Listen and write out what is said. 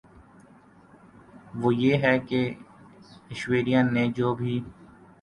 وہ یہ ہے کہ ایشوریا نے جو بھی